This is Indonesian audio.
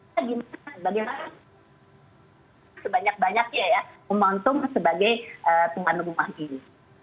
bagaimana sebanyak banyaknya ya momentum sebagai tuan rumah ini